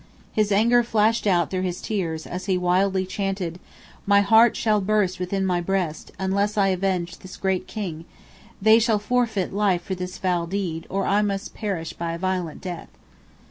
His anger flashed out through his tears, as he wildly chanted "My heart shall burst within my breast, Unless I avenge this great king; They shall forfeit life for this foul deed Or I must perish by a violent death."